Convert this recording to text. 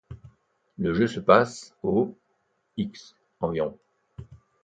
Le jeu se passe au X environ.